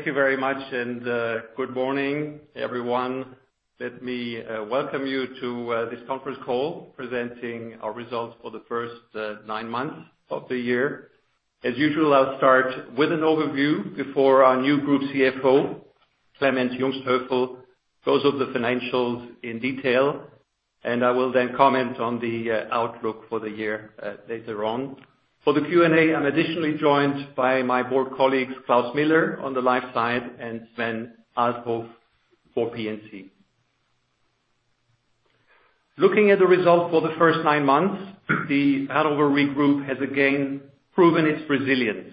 Thank you very much, and good morning, everyone. Let me welcome you to this conference call presenting our results for the first nine months of the year. As usual, I'll start with an overview before our new Group CFO, Clemens Jungsthöfel, goes over the financials in detail, and I will then comment on the outlook for the year later on. For the Q&A, I'm additionally joined by my board colleagues, Klaus Miller on the life side, and Sven Althoff for P&C. Looking at the results for the first nine months, the Hannover Rück has again proven its resilience,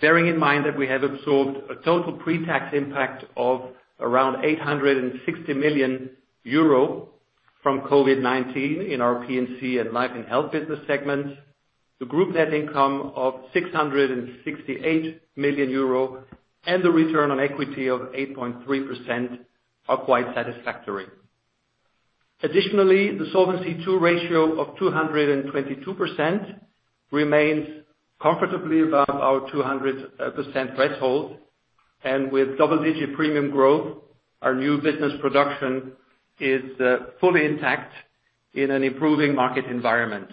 bearing in mind that we have absorbed a total pre-tax impact of around 860 million euro from COVID-19 in our P&C and Life and Health business segments. The group net income of 668 million euro and the return on equity of 8.3% are quite satisfactory. Additionally, the Solvency II ratio of 222% remains comfortably above our 200% threshold, and with double-digit premium growth, our new business production is fully intact in an improving market environment.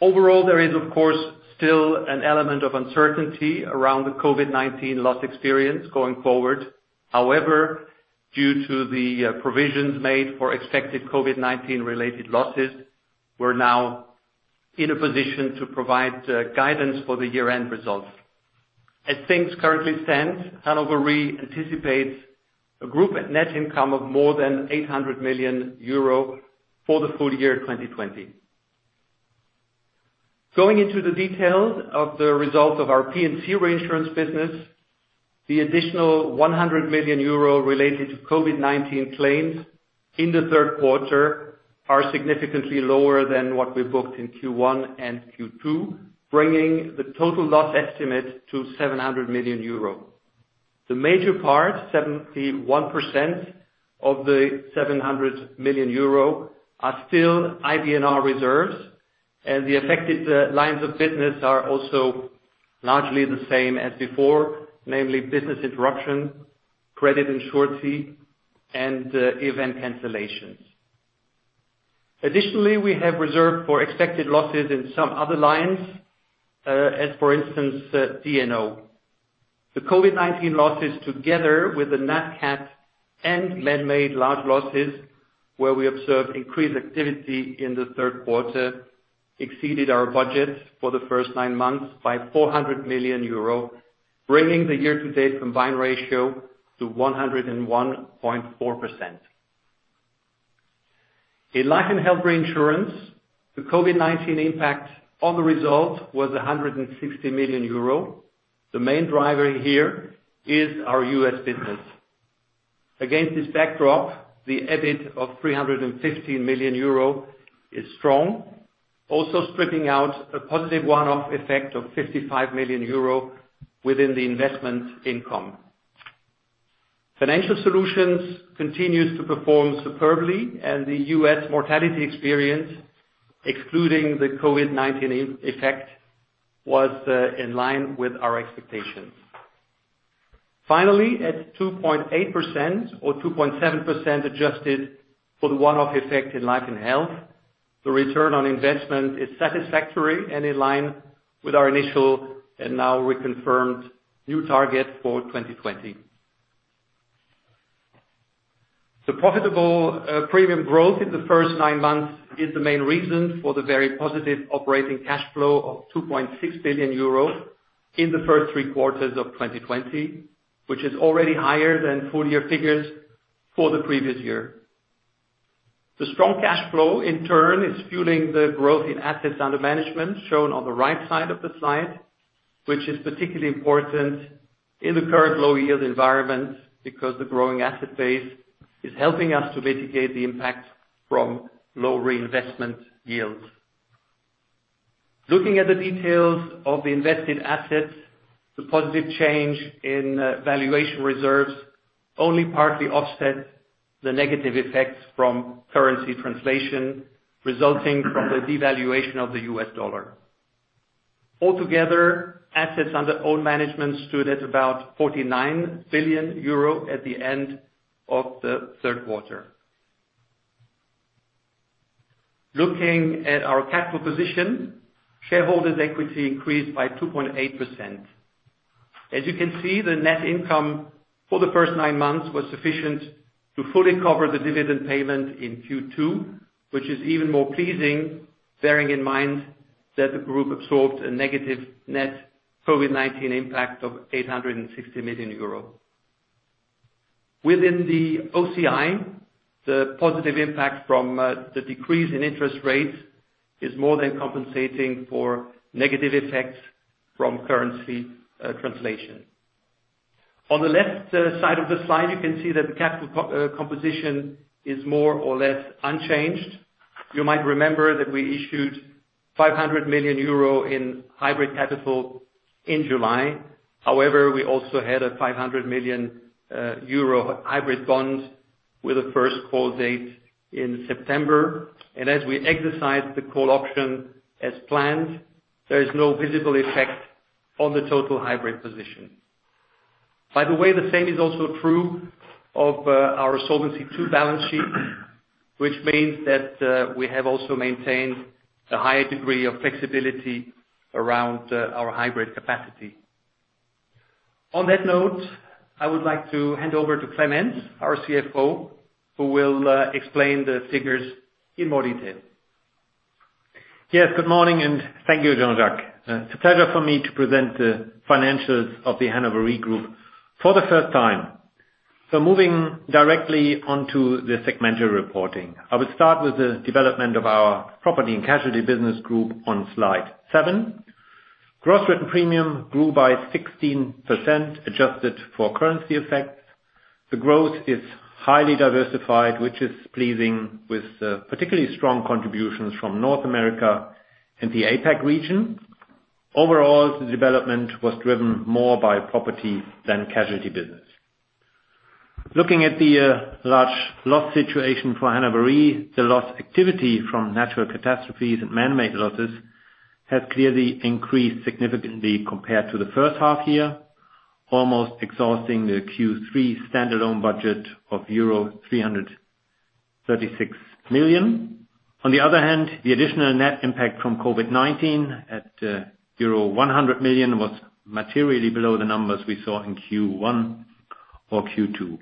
Overall, there is, of course, still an element of uncertainty around the COVID-19 loss experience going forward. However, due to the provisions made for expected COVID-19-related losses, we're now in a position to provide guidance for the year-end results. As things currently stand, Hannover Rück anticipates a group net income of more than 800 million euro for the full year 2020. Going into the details of the results of our P&C reinsurance business, the additional 100 million euro related to COVID-19 claims in the third quarter are significantly lower than what we booked in Q1 and Q2, bringing the total loss estimate to 700 million euro. The major part, 71% of the 700 million euro, are still IBNR reserves, and the affected, lines of business are also largely the same as before, namely business interruption, credit and surety, and, event cancellations. Additionally, we have reserved for expected losses in some other lines, as for instance, D&O. The COVID-19 losses, together with the NatCAT and manmade large losses, where we observed increased activity in the third quarter, exceeded our budget for the first nine months by 400 million euro, bringing the year-to-date combined ratio to 101.4%. In Life and Health reinsurance, the COVID-19 impact on the result was 160 million euro. The main driver here is our U.S. business. Against this backdrop, the EBIT of 315 million euro is strong, also stripping out a positive one-off effect of 55 million euro within the investment income. Financial Solutions continues to perform superbly, and the U.S. mortality experience, excluding the COVID-19 effect, was in line with our expectations. Finally, at 2.8% or 2.7% adjusted for the one-off effect in Life and Health, the return on investment is satisfactory and in line with our initial and now reconfirmed new target for 2020. The profitable premium growth in the first nine months is the main reason for the very positive operating cash flow of 2.6 billion euros in the first three quarters of 2020, which is already higher than full-year figures for the previous year. The strong cash flow, in turn, is fueling the growth in assets under management, shown on the right side of the slide, which is particularly important in the current low-yield environment because the growing asset base is helping us to mitigate the impact from low reinvestment yields. Looking at the details of the invested assets, the positive change in valuation reserves only partly offsets the negative effects from currency translation resulting from the devaluation of the US dollar. Altogether, assets under own management stood at about 49 billion euro at the end of the third quarter. Looking at our capital position, shareholders' equity increased by 2.8%. As you can see, the net income for the first nine months was sufficient to fully cover the dividend payment in Q2, which is even more pleasing, bearing in mind that the group absorbed a negative net COVID-19 impact of 860 million euros. Within the OCI, the positive impact from the decrease in interest rates is more than compensating for negative effects from currency translation. On the left side of the slide, you can see that the capital composition is more or less unchanged. You might remember that we issued 500 million euro in hybrid capital in July. However, we also had a 500 million euro hybrid bond with a first call date in September. As we exercised the call option as planned, there is no visible effect on the total hybrid position. By the way, the same is also true of our Solvency II balance sheet, which means that we have also maintained a higher degree of flexibility around our hybrid capacity. On that note, I would like to hand over to Clemens, our CFO, who will explain the figures in more detail. Yes, good morning, and thank you, Jean-Jacques. It's a pleasure for me to present the financials of the Hannover Rück Group for the first time. So moving directly onto the segmental reporting, I will start with the development of our Property and Casualty business group on slide 7. Gross written premium grew by 16%, adjusted for currency effects. The growth is highly diversified, which is pleasing, with particularly strong contributions from North America and the APAC region. Overall, the development was driven more by property than casualty business. Looking at the large loss situation for Hannover Rück, the loss activity from natural catastrophes and manmade losses has clearly increased significantly compared to the first half year, almost exhausting the Q3 standalone budget of euro 336 million. On the other hand, the additional net impact from COVID-19 at euro 100 million was materially below the numbers we saw in Q1 or Q2.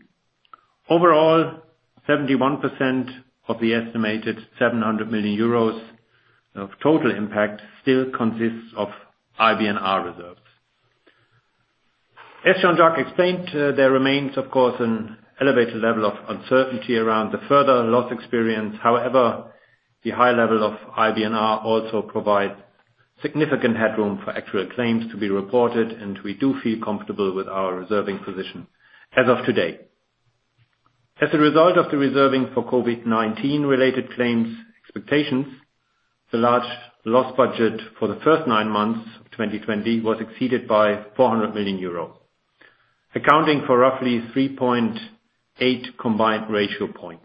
Overall, 71% of the estimated 700 million euros of total impact still consists of IBNR reserves. As Jean-Jacques explained, there remains, of course, an elevated level of uncertainty around the further loss experience. However, the high level of IBNR also provides significant headroom for actual claims to be reported, and we do feel comfortable with our reserving position as of today. As a result of the reserving for COVID-19-related claims expectations, the large loss budget for the first nine months of 2020 was exceeded by 400 million euro, accounting for roughly 3.8 combined ratio points.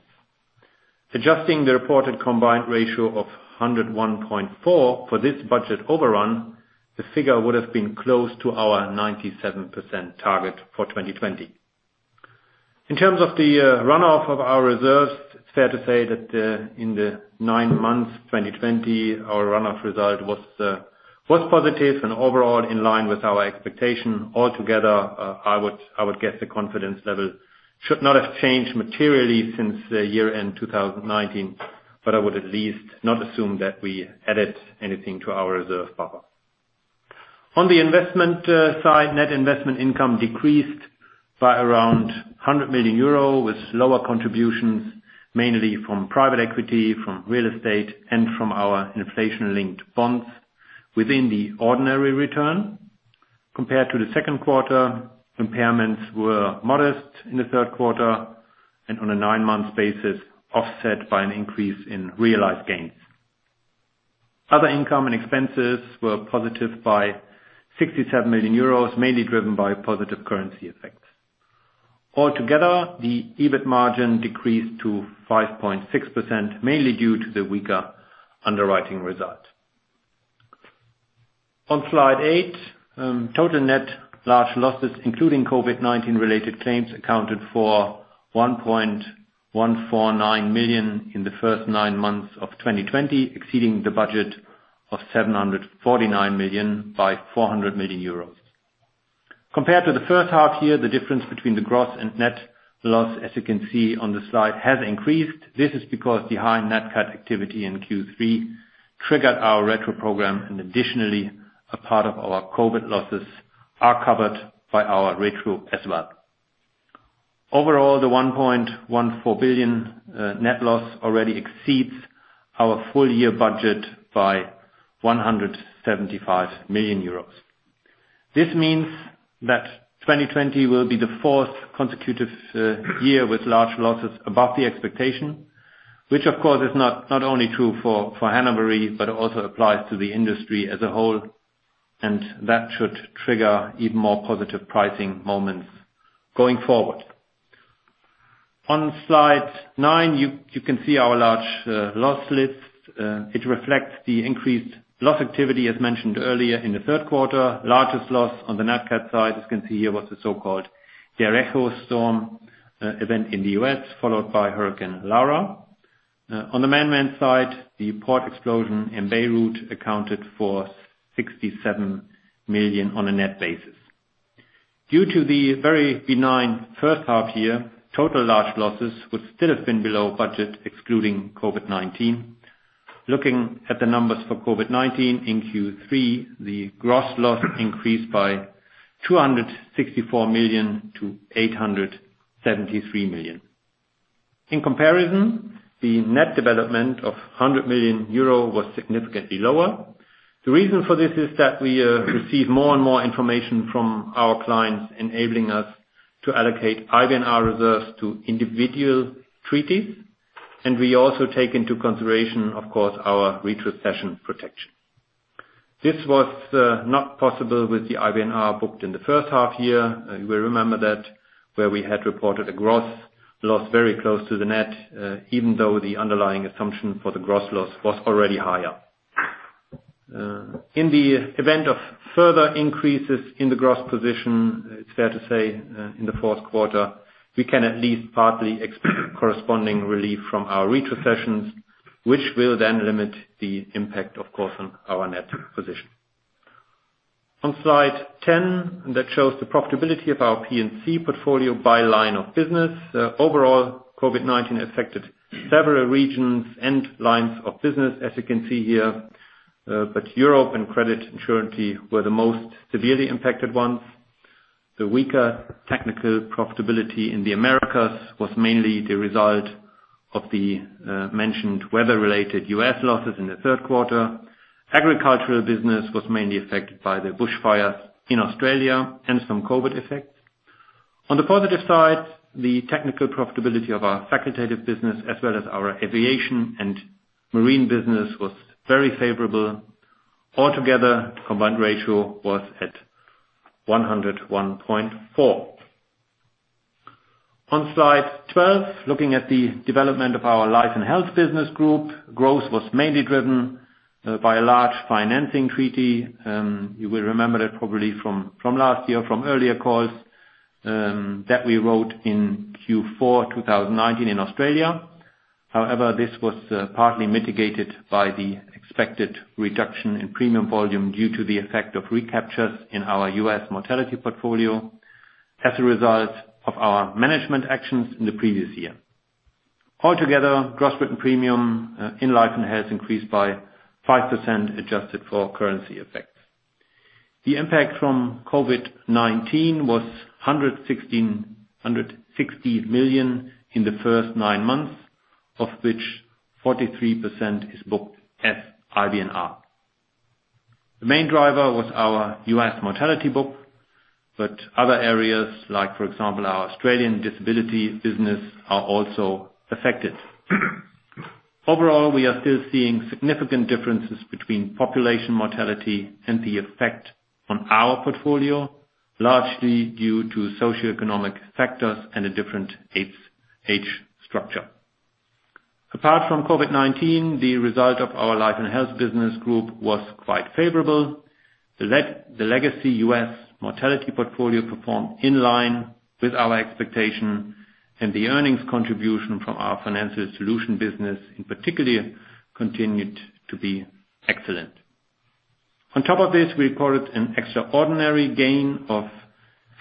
Adjusting the reported combined ratio of 101.4 for this budget overrun, the figure would have been close to our 97% target for 2020. In terms of the runoff of our reserves, it's fair to say that in the nine months 2020, our runoff result was positive and overall in line with our expectation. Altogether, I would guess the confidence level should not have changed materially since year-end 2019, but I would at least not assume that we added anything to our reserve buffer. On the investment side, net investment income decreased by around 100 million euro, with lower contributions mainly from private equity, from real estate, and from our inflation-linked bonds within the ordinary return. Compared to the second quarter, impairments were modest in the third quarter and, on a nine-month basis, offset by an increase in realized gains. Other income and expenses were positive by 67 million euros, mainly driven by positive currency effects. Altogether, the EBIT margin decreased to 5.6%, mainly due to the weaker underwriting result. On slide eight, total net large losses, including COVID-19-related claims, accounted for 1,149 million in the first nine months of 2020, exceeding the budget of 749 million by 400 million euros. Compared to the first half year, the difference between the gross and net loss, as you can see on the slide, has increased. This is because the high NatCAT activity in Q3 triggered our retro program, and additionally, a part of our COVID losses are covered by our retro as well. Overall, the 1.14 billion net loss already exceeds our full-year budget by 175 million euros. This means that 2020 will be the fourth consecutive year with large losses above the expectation, which, of course, is not only true for Hannover Rück, but also applies to the industry as a whole, and that should trigger even more positive pricing moments going forward. On slide nine, you can see our large loss list. It reflects the increased loss activity, as mentioned earlier, in the third quarter. Largest loss on the NatCAT side, as you can see here, was the so-called Derecho storm, event in the U.S., followed by Hurricane Laura. On the manmade side, the port explosion in Beirut accounted for 67 million on a net basis. Due to the very benign first half year, total large losses would still have been below budget, excluding COVID-19. Looking at the numbers for COVID-19 in Q3, the gross loss increased by 264 million to 873 million. In comparison, the net development of 100 million euro was significantly lower. The reason for this is that we receive more and more information from our clients, enabling us to allocate IBNR reserves to individual treaties, and we also take into consideration, of course, our retrocession protection. This was not possible with the IBNR booked in the first half year. You will remember that, where we had reported a gross loss very close to the net, even though the underlying assumption for the gross loss was already higher. In the event of further increases in the gross position, it's fair to say, in the fourth quarter, we can at least partly expect corresponding relief from our retrocessions, which will then limit the impact, of course, on our net position. On slide 10, that shows the profitability of our P&C portfolio by line of business. Overall, COVID-19 affected several regions and lines of business, as you can see here, but Europe and credit insurance were the most severely impacted ones. The weaker technical profitability in the Americas was mainly the result of the mentioned weather-related U.S. losses in the third quarter. Agricultural business was mainly affected by the bushfires in Australia and some COVID effects. On the positive side, the technical profitability of our facultative business, as well as our aviation and marine business, was very favorable. Altogether, the combined ratio was at 101.4%. On slide 12, looking at the development of our Life and Health business group, growth was mainly driven by a large financing treaty. You will remember that probably from last year, from earlier calls, that we wrote in Q4 2019 in Australia. However, this was partly mitigated by the expected reduction in premium volume due to the effect of recaptures in our U.S. mortality portfolio as a result of our management actions in the previous year. Altogether, gross written premium in Life and Health increased by 5%, adjusted for currency effects. The impact from COVID-19 was 1,160 million in the first nine months, of which 43% is booked as IBNR. The main driver was our US mortality book, but other areas, like, for example, our Australian disability business, are also affected. Overall, we are still seeing significant differences between population mortality and the effect on our portfolio, largely due to socioeconomic factors and a different age structure. Apart from COVID-19, the result of our Life and Health business group was quite favorable. The legacy US mortality portfolio performed in line with our expectation, and the earnings contribution from our Financial Solutions business, in particular, continued to be excellent. On top of this, we reported an extraordinary gain of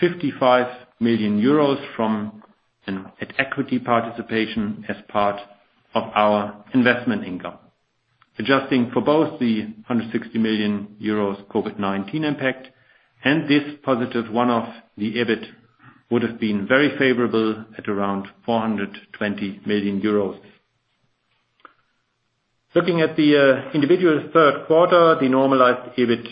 55 million euros from an equity participation as part of our investment income, adjusting for both the 160 million euros COVID-19 impact and this positive one-off. The EBIT would have been very favorable at around 420 million euros. Looking at the individual third quarter, the normalized EBIT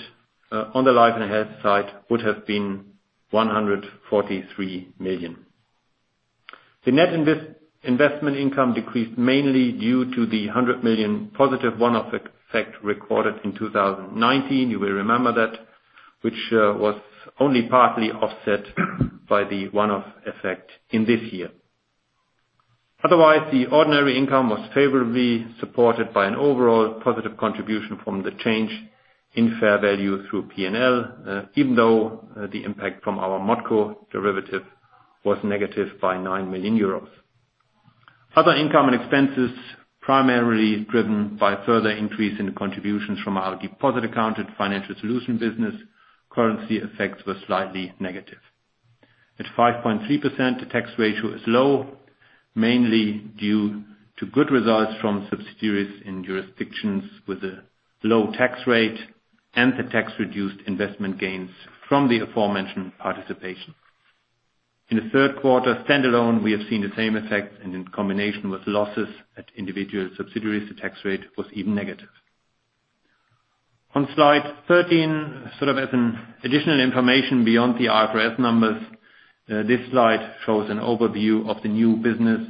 on the Life and Health side would have been 143 million. The net investment income decreased mainly due to the 100 million positive one-off effect recorded in 2019. You will remember that, which was only partly offset by the one-off effect in this year. Otherwise, the ordinary income was favorably supported by an overall positive contribution from the change in fair value through P&L, even though the impact from our ModCo derivative was negative by 9 million euros. Other income and expenses, primarily driven by further increase in contributions from our deposit-accounted Financial Solutions business, currency effects were slightly negative. At 5.3%, the tax ratio is low, mainly due to good results from subsidiaries in jurisdictions with a low tax rate and the tax-reduced investment gains from the aforementioned participation. In the third quarter, standalone, we have seen the same effect, and in combination with losses at individual subsidiaries, the tax rate was even negative. On slide 13, sort of as additional information beyond the IFRS numbers, this slide shows an overview of the new business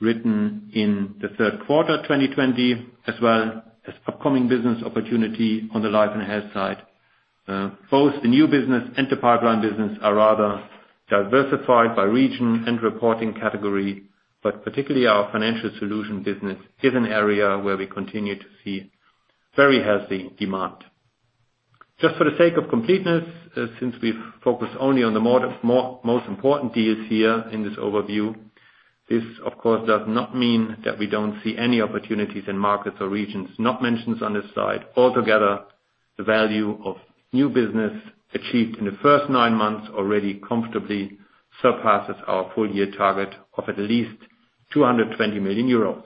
written in the third quarter 2020, as well as upcoming business opportunity on the Life and Health side. Both the new business and the pipeline business are rather diversified by region and reporting category, but particularly our Financial Solutions business is an area where we continue to see very healthy demand. Just for the sake of completeness, since we've focused only on the most important deals here in this overview, this, of course, does not mean that we don't see any opportunities in markets or regions not mentioned on this slide. Altogether, the value of new business achieved in the first nine months already comfortably surpasses our full-year target of at least 220 million euros.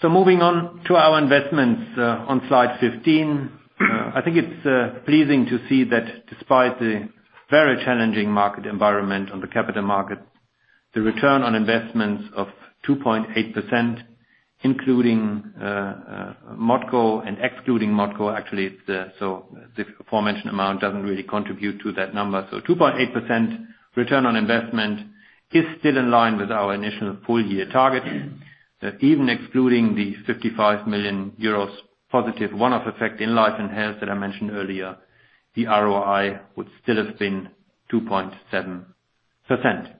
So moving on to our investments, on slide 15, I think it's pleasing to see that despite the very challenging market environment on the capital market, the return on investments of 2.8%, including ModCo and excluding ModCo, actually, it's so the aforementioned amount doesn't really contribute to that number. So 2.8% return on investment is still in line with our initial full-year target. Even excluding the 55 million euros positive one-off effect in Life and Health that I mentioned earlier, the ROI would still have been 2.7%.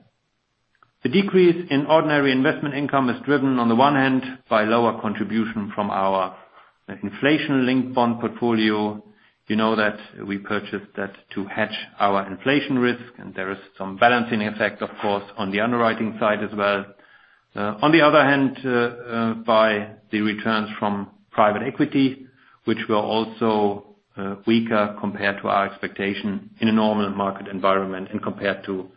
The decrease in ordinary investment income is driven, on the one hand, by lower contribution from our inflation-linked bond portfolio. You know that we purchased that to hedge our inflation risk, and there is some balancing effect, of course, on the underwriting side as well. On the other hand, by the returns from private equity, which were also weaker compared to our expectation in a normal market environment and compared to the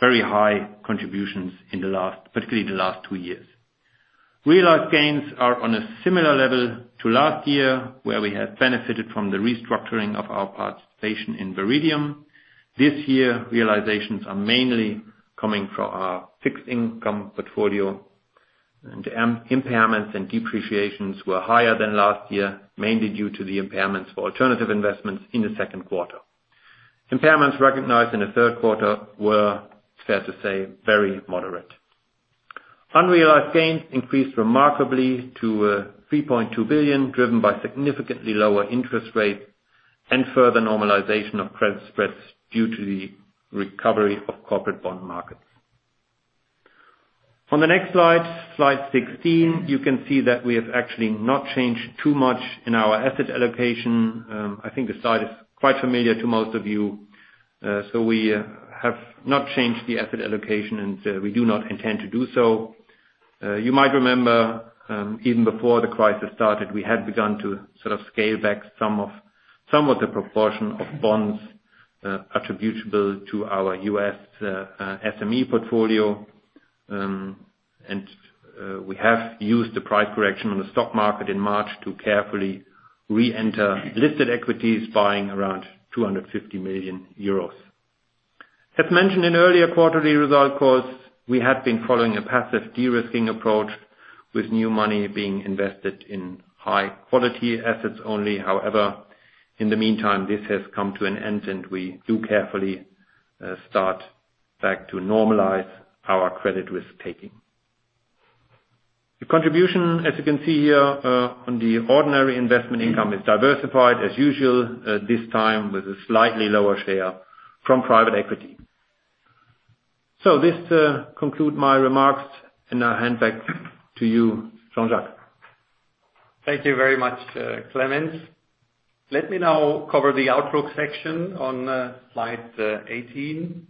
very high contributions in the last, particularly the last two years. Realized gains are on a similar level to last year, where we had benefited from the restructuring of our participation in Viridium. This year, realizations are mainly coming from our fixed income portfolio, and the impairments and depreciations were higher than last year, mainly due to the impairments for alternative investments in the second quarter. Impairments recognized in the third quarter were, it's fair to say, very moderate. Unrealized gains increased remarkably to 3.2 billion, driven by significantly lower interest rates and further normalization of credit spreads due to the recovery of corporate bond markets. On the next slide, slide 16, you can see that we have actually not changed too much in our asset allocation. I think the slide is quite familiar to most of you. So we have not changed the asset allocation, and we do not intend to do so. You might remember, even before the crisis started, we had begun to sort of scale back some of some of the proportion of bonds, attributable to our US SME portfolio. We have used the price correction on the stock market in March to carefully re-enter listed equities, buying around 250 million euros. As mentioned in earlier quarterly result calls, we had been following a passive de-risking approach, with new money being invested in high-quality assets only. However, in the meantime, this has come to an end, and we do carefully start back to normalize our credit risk-taking. The contribution, as you can see here, on the ordinary investment income is diversified, as usual, this time with a slightly lower share from private equity. So this concludes my remarks, and I'll hand back to you, Jean-Jacques. Thank you very much, Clemens. Let me now cover the outlook section on slide 18.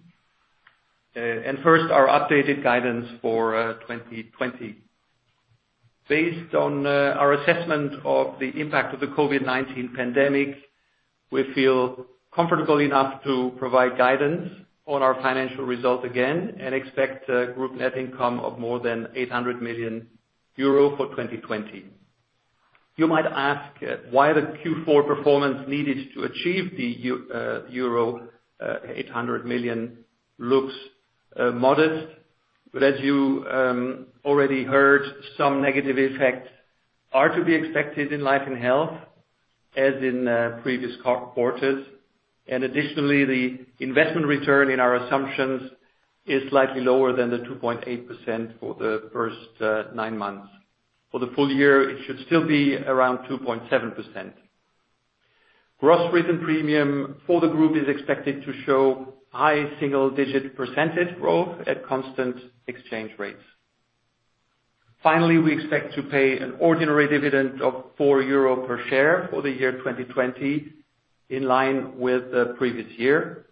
And first, our updated guidance for 2020. Based on our assessment of the impact of the COVID-19 pandemic, we feel comfortable enough to provide guidance on our financial result again and expect a group net income of more than 800 million euro for 2020. You might ask why the Q4 performance needed to achieve the euro 800 million looks modest. But as you already heard, some negative effects are to be expected in Life and Health, as in previous quarters. Additionally, the investment return in our assumptions is slightly lower than the 2.8% for the first nine months. For the full year, it should still be around 2.7%. Gross written premium for the group is expected to show high single-digit percentage growth at constant exchange rates. Finally, we expect to pay an ordinary dividend of 4 euro per share for the year 2020, in line with the previous year.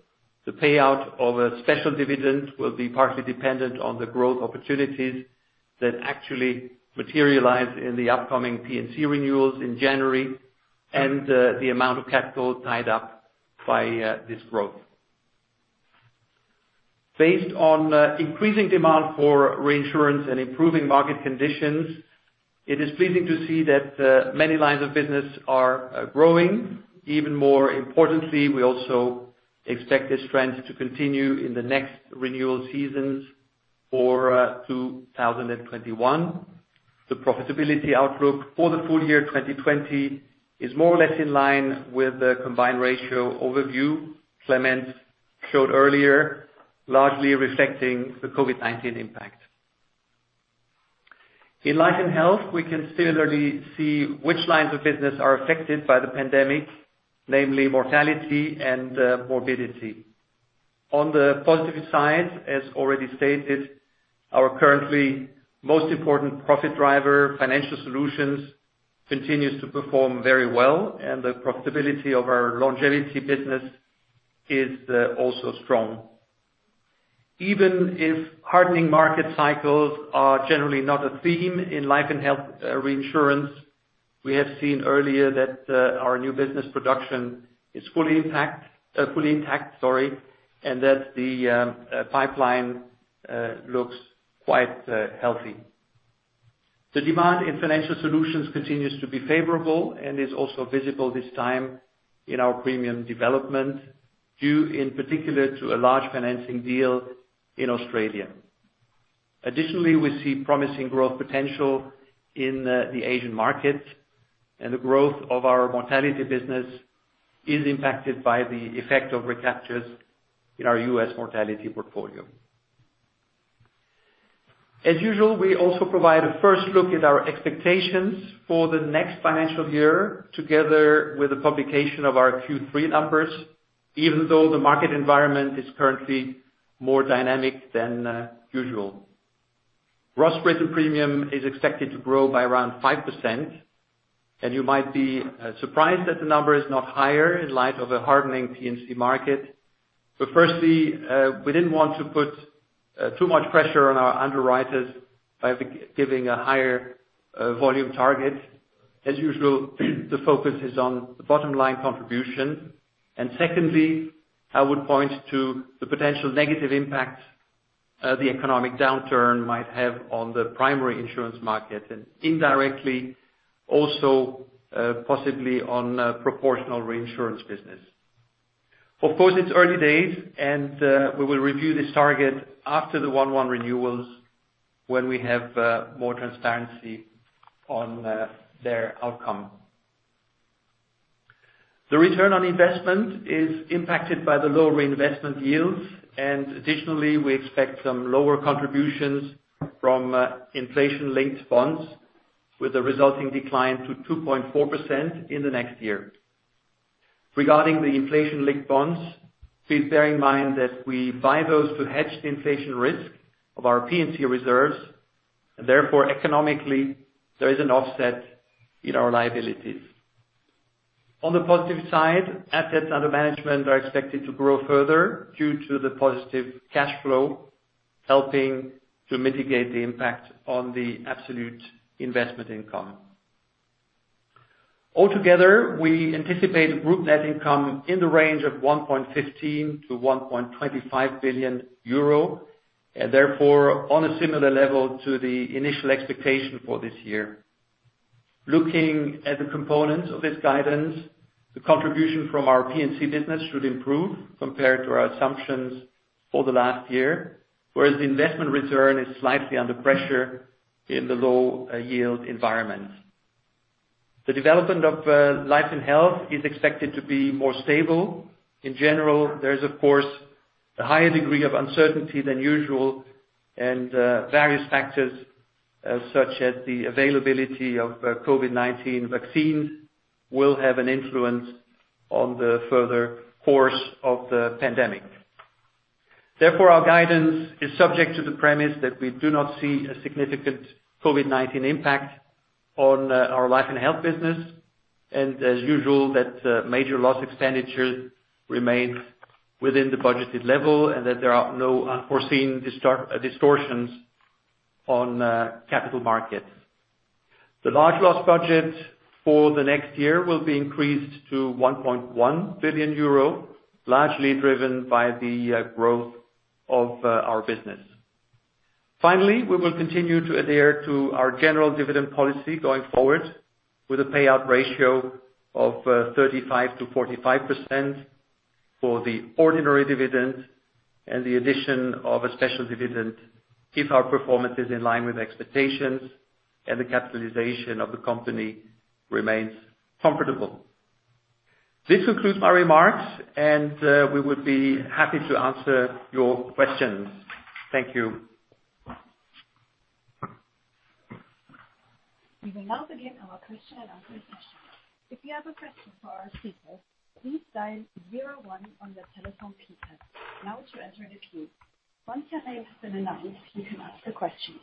The payout of a special dividend will be partly dependent on the growth opportunities that actually materialize in the upcoming P&C renewals in January and the amount of capital tied up by this growth. Based on increasing demand for reinsurance and improving market conditions, it is pleasing to see that many lines of business are growing. Even more importantly, we also expect this trend to continue in the next renewal seasons for 2021. The profitability outlook for the full year 2020 is more or less in line with the Combined Ratio overview Clemens showed earlier, largely reflecting the COVID-19 impact. In Life and Health, we can similarly see which lines of business are affected by the pandemic, namely mortality and morbidity. On the positive side, as already stated, our currently most important profit driver, Financial Solutions, continues to perform very well, and the profitability of our longevity business is also strong. Even if hardening market cycles are generally not a theme in Life and Health reinsurance, we have seen earlier that our new business production is fully intact, fully intact, sorry, and that the pipeline looks quite healthy. The demand in Financial Solutions continues to be favorable and is also visible this time in our premium development, due in particular to a large financing deal in Australia. Additionally, we see promising growth potential in the Asian markets, and the growth of our mortality business is impacted by the effect of recaptures in our U.S. mortality portfolio. As usual, we also provide a first look at our expectations for the next financial year, together with the publication of our Q3 numbers, even though the market environment is currently more dynamic than usual. Gross written premium is expected to grow by around 5%, and you might be surprised that the number is not higher in light of a hardening P&C market. But firstly, we didn't want to put too much pressure on our underwriters by giving a higher volume target. As usual, the focus is on the bottom-line contribution. And secondly, I would point to the potential negative impact the economic downturn might have on the primary insurance market and indirectly also possibly on proportional reinsurance business. Of course, it's early days, and we will review this target after the one-month renewals when we have more transparency on their outcome. The return on investment is impacted by the low reinvestment yields, and additionally, we expect some lower contributions from inflation-linked bonds, with a resulting decline to 2.4% in the next year. Regarding the inflation-linked bonds, please bear in mind that we buy those to hedge the inflation risk of our P&C reserves, and therefore, economically, there is an offset in our liabilities. On the positive side, assets under management are expected to grow further due to the positive cash flow helping to mitigate the impact on the absolute investment income. Altogether, we anticipate a group net income in the range of 1.15 billion-1.25 billion euro, and therefore, on a similar level to the initial expectation for this year. Looking at the components of this guidance, the contribution from our P&C business should improve compared to our assumptions for the last year, whereas the investment return is slightly under pressure in the low-yield environment. The development of Life and Health is expected to be more stable. In general, there is, of course, a higher degree of uncertainty than usual, and various factors, such as the availability of COVID-19 vaccines, will have an influence on the further course of the pandemic. Therefore, our guidance is subject to the premise that we do not see a significant COVID-19 impact on our Life and Health business, and as usual, that major loss expenditure remains within the budgeted level and that there are no unforeseen distortions on capital markets. The large loss budget for the next year will be increased to 1.1 billion euro, largely driven by the growth of our business. Finally, we will continue to adhere to our general dividend policy going forward, with a payout ratio of 35%-45% for the ordinary dividend and the addition of a special dividend if our performance is in line with expectations and the capitalization of the company remains comfortable. This concludes my remarks, and we would be happy to answer your questions. Thank you. We will now begin our question-and-answer session. If you have a question for our speakers, please dial zero one on the telephone feeder now to enter the queue. Once your name has been announced, you can ask a question.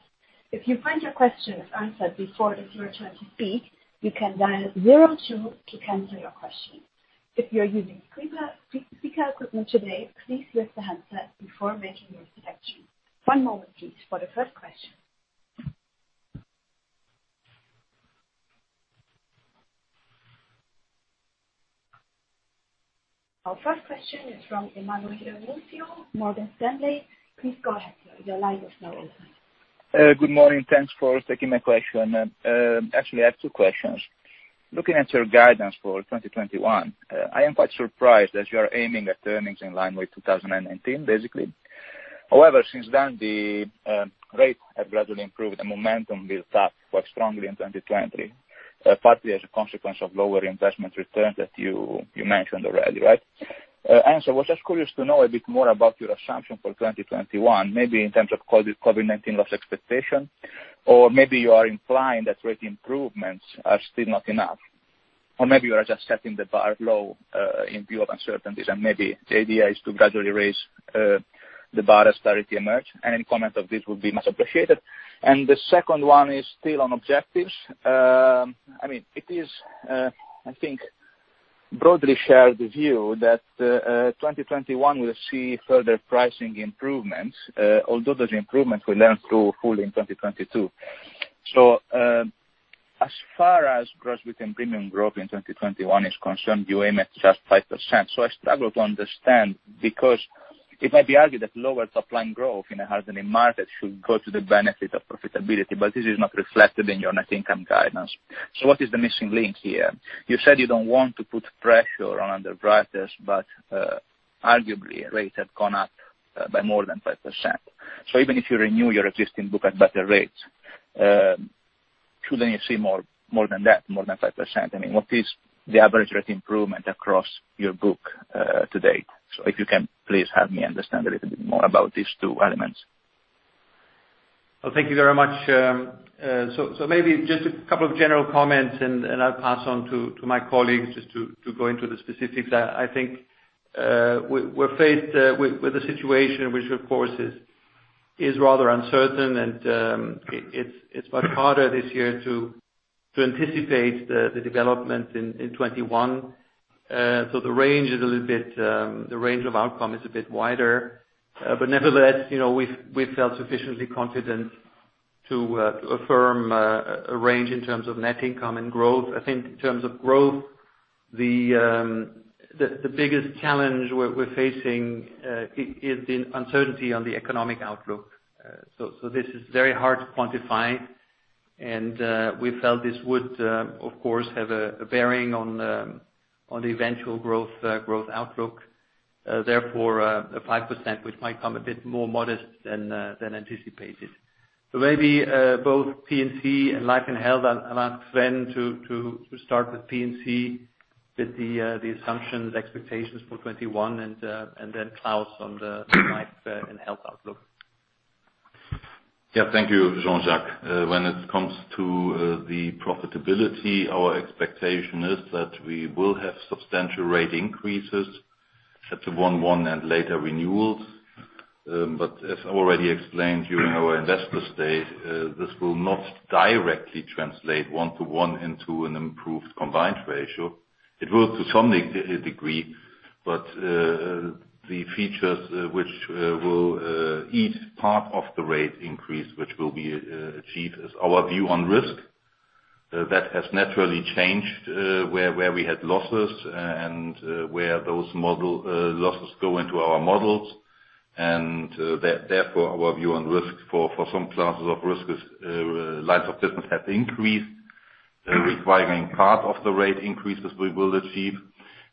If you find your question is answered before it is your turn to speak, you can dial zero two to cancel your question. If you're using speaker equipment today, please lift the handset before making your selection. One moment, please, for the first question. Our first question is from Emanuele Musio, Morgan Stanley. Please go ahead. Your line is now open. Good morning. Thanks for taking my question. Actually, I have two questions. Looking at your guidance for 2021, I am quite surprised that you are aiming at earnings in line with 2019, basically. However, since then, the rate has gradually improved, and momentum built up quite strongly in 2020, partly as a consequence of lower investment returns that you mentioned already, right? And so I was just curious to know a bit more about your assumption for 2021, maybe in terms of COVID-19 loss expectation, or maybe you are implying that rate improvements are still not enough, or maybe you are just setting the bar low, in view of uncertainties, and maybe the idea is to gradually raise the bar as clarity emerges. Any comment on this would be much appreciated. The second one is still on objectives. I mean, it is, I think, broadly shared the view that 2021 will see further pricing improvements, although those improvements will flow through fully in 2022. As far as gross written premium growth in 2021 is concerned, you aim at just 5%. So I struggle to understand because it might be argued that lower supply and growth in a hardening market should go to the benefit of profitability, but this is not reflected in your net income guidance. So what is the missing link here? You said you don't want to put pressure on underwriters, but, arguably, rates have gone up, by more than 5%. So even if you renew your existing book at better rates, shouldn't you see more, more than that, more than 5%? I mean, what is the average rate improvement across your book, to date? So if you can please help me understand a little bit more about these two elements. Well, thank you very much. So, maybe just a couple of general comments, and I'll pass on to my colleagues just to go into the specifics. I think we're faced with a situation which, of course, is rather uncertain, and it's much harder this year to anticipate the development in 2021. So the range is a little bit, the range of outcome is a bit wider. But nevertheless, you know, we've felt sufficiently confident to affirm a range in terms of net income and growth. I think in terms of growth, the biggest challenge we're facing is the uncertainty on the economic outlook. So this is very hard to quantify, and we felt this would, of course, have a bearing on the eventual growth outlook. Therefore, a 5%, which might come a bit more modest than anticipated. So maybe, both P&C and Life and Health, I'll ask Sven to start with P&C with the assumptions, expectations for 2021, and then Klaus on the Life and Health outlook. Yeah, thank you, Jean-Jacques. When it comes to the profitability, our expectation is that we will have substantial rate increases at the one-month and later renewals. But as I already explained during our investor day, this will not directly translate one-to-one into an improved combined ratio. It will to some degree, but the features which will eat part of the rate increase which will be achieved is our view on risk. That has naturally changed, where we had losses, and where those model losses go into our models, and therefore our view on risk for some classes of risk, lines of business have increased, requiring part of the rate increases we will achieve.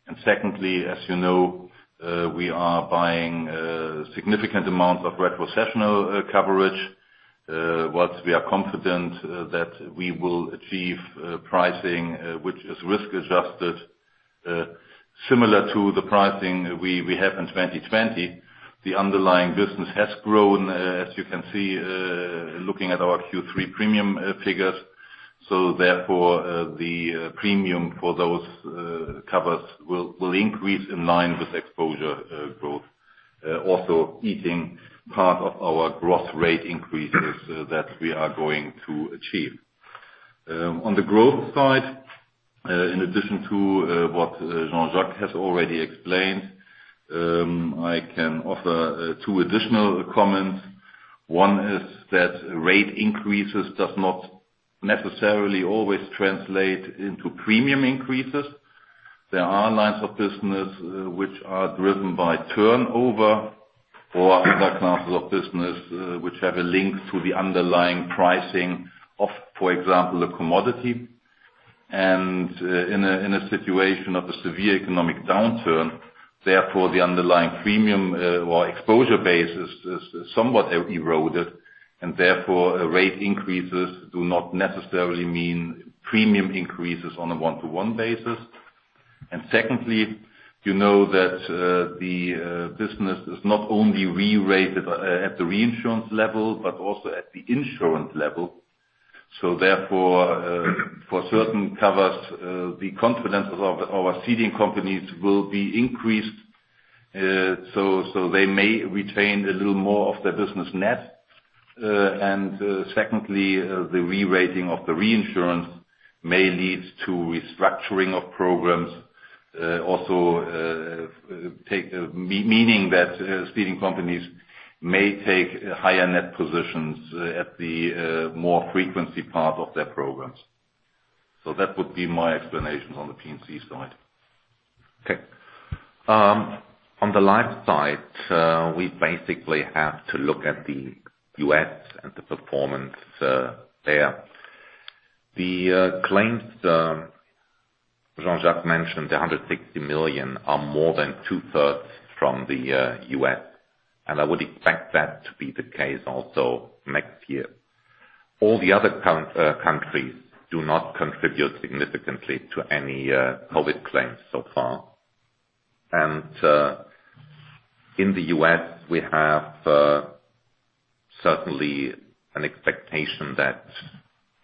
And secondly, as you know, we are buying significant amounts of retrocessional coverage, whilst we are confident that we will achieve pricing which is risk-adjusted, similar to the pricing we have in 2020. The underlying business has grown, as you can see, looking at our Q3 premium figures. So therefore, the premium for those covers will increase in line with exposure growth, also eating part of our gross rate increases that we are going to achieve. On the growth side, in addition to what Jean-Jacques has already explained, I can offer two additional comments. One is that rate increases does not necessarily always translate into premium increases. There are lines of business, which are driven by turnover or other classes of business, which have a link to the underlying pricing of, for example, a commodity. And, in a situation of a severe economic downturn, therefore the underlying premium, or exposure base is somewhat eroded, and therefore rate increases do not necessarily mean premium increases on a one-to-one basis. And secondly, you know that the business is not only re-rated at the reinsurance level but also at the insurance level. So therefore, for certain covers, the confidence of our ceding companies will be increased, so they may retain a little more of their business net. and, secondly, the re-rating of the reinsurance may lead to restructuring of programs, also meaning that ceding companies may take higher net positions at the more frequency part of their programs. So that would be my explanations on the P&C side. Okay. On the life side, we basically have to look at the US and the performance there. The claims that Jean-Jacques mentioned, the 160 million, are more than two-thirds from the US, and I would expect that to be the case also next year. All the other countries do not contribute significantly to any COVID claims so far. And in the US, we have certainly an expectation that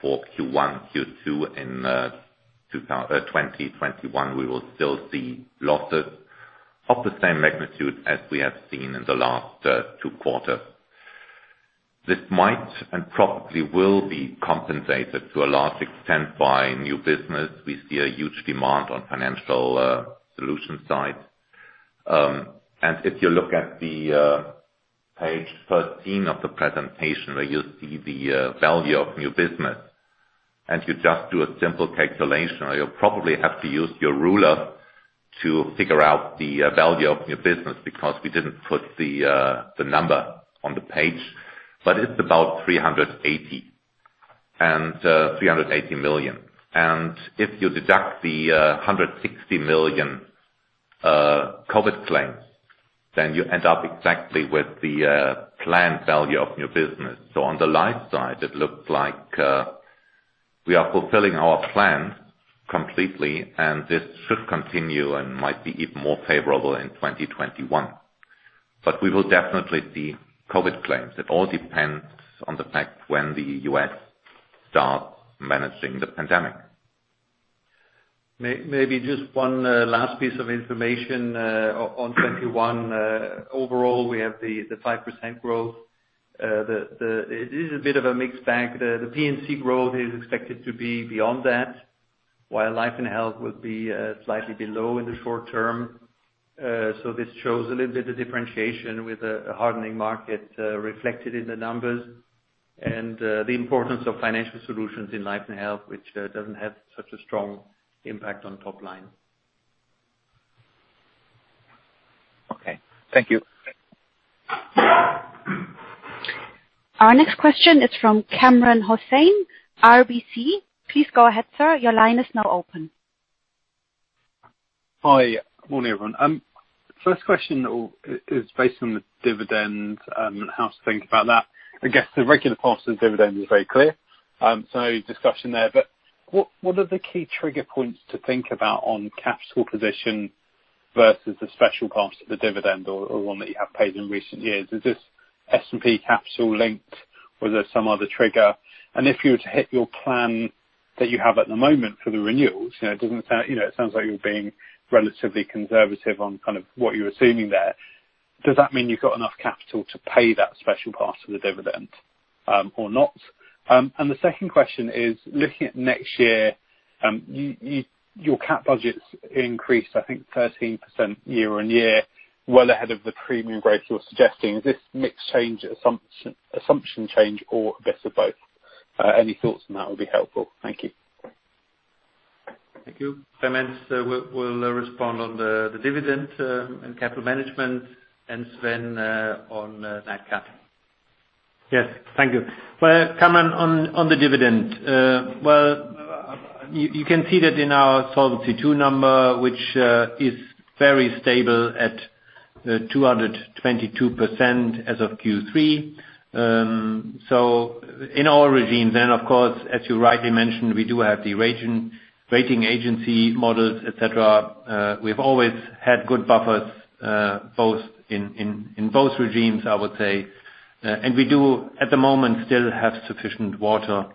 for Q1, Q2 in 2020, 2021, we will still see losses of the same magnitude as we have seen in the last two quarters. This might and probably will be compensated to a large extent by new business. We see a huge demand on Financial Solutions side. And if you look at the page 13 of the presentation where you see the value of new business, and you just do a simple calculation, you'll probably have to use your ruler to figure out the value of new business because we didn't put the number on the page, but it's about 380 million. And if you deduct the 160 million COVID claims, then you end up exactly with the planned value of new business. So on the life side, it looks like we are fulfilling our plan completely, and this should continue and might be even more favorable in 2021. But we will definitely see COVID claims. It all depends on the fact when the U.S. starts managing the pandemic. Maybe just one last piece of information, on 2021. Overall, we have the 5% growth. It is a bit of a mixed bag. The P&C growth is expected to be beyond that, while Life and Health will be slightly below in the short term. So this shows a little bit of differentiation with a hardening market, reflected in the numbers and the importance of Financial Solutions in Life and Health, which doesn't have such a strong impact on top line. Okay. Thank you. Our next question is from Kamran Hossain, RBC. Please go ahead, sir. Your line is now open. Hi. Good morning, everyone. First question that is based on the dividend, and how to think about that. I guess the regular part of the dividend is very clear, so discussion there. But what are the key trigger points to think about on capital position versus the special part of the dividend or one that you have paid in recent years? Is this S&P capital linked, or is there some other trigger? And if you were to hit your plan that you have at the moment for the renewals, you know, it doesn't sound, you know, it sounds like you're being relatively conservative on kind of what you're assuming there. Does that mean you've got enough capital to pay that special part of the dividend, or not? And the second question is, looking at next year, your cap budget's increased, I think, 13% year-on-year, well ahead of the premium growth you're suggesting. Is this mixed change assumption, assumption change or a bit of both? Any thoughts on that would be helpful. Thank you. Thank you. Clemens, we'll respond on the dividend and capital management, and Sven on that cat. Yes. Thank you. Well, Cameron, on the dividend, well, you can see that in our Solvency II number, which is very stable at 222% as of Q3. So in our regime, and of course, as you rightly mentioned, we do have the rating agency models, etc. We've always had good buffers, both in both regimes, I would say. And we do, at the moment, still have sufficient water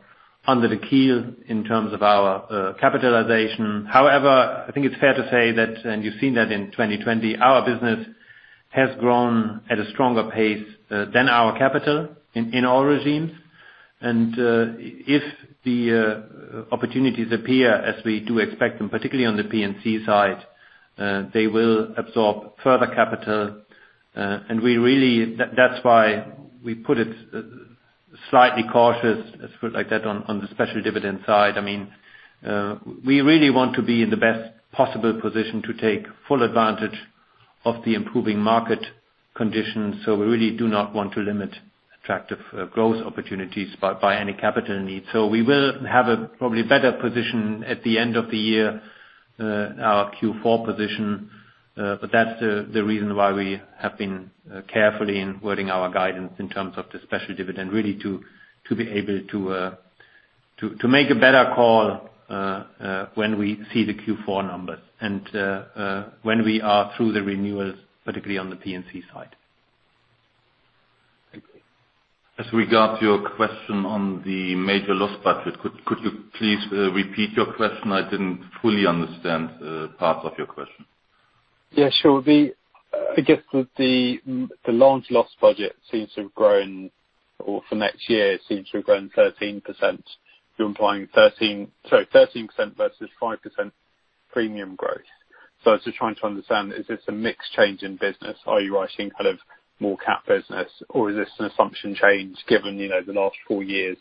under the keel in terms of our capitalization. However, I think it's fair to say that, and you've seen that in 2020, our business has grown at a stronger pace than our capital in our regimes. And if the opportunities appear, as we do expect them, particularly on the P&C side, they will absorb further capital. We really that's why we put it slightly cautious, sort of like that on the special dividend side. I mean, we really want to be in the best possible position to take full advantage of the improving market conditions. So we really do not want to limit attractive growth opportunities by any capital need. So we will have a probably better position at the end of the year, our Q4 position. But that's the reason why we have been careful in wording our guidance in terms of the special dividend, really to make a better call when we see the Q4 numbers and when we are through the renewals, particularly on the P&C side. Thank you. As regards your question on the major loss budget, could you please repeat your question? I didn't fully understand part of your question. Yeah, sure. I guess that the large loss budget seems to have grown, or for next year, seems to have grown 13%. You're implying 13 sorry, 13% versus 5% premium growth. So I was just trying to understand, is this a mixed change in business? Are you writing kind of more cap business, or is this an assumption change given, you know, the last four years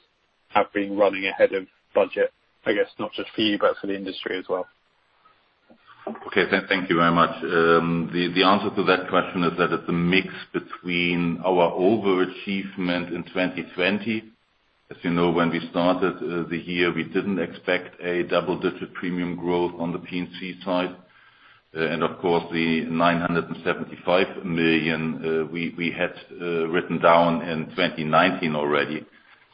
have been running ahead of budget, I guess, not just for you but for the industry as well? Okay. Thank you very much. The answer to that question is that it's a mix between our overachievement in 2020. As you know, when we started the year, we didn't expect a double-digit premium growth on the P&C side. And of course, the 975 million we had written down in 2019 already.